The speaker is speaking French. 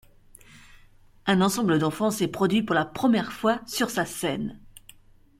Un ensemble d'enfants s'est produit pour la première fois sur sa scène.